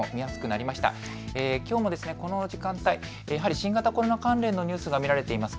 きょうもこの時間帯、やはり新型コロナ関連のニュースが見られています。